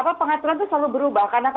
apa pengaturan itu selalu berubah karena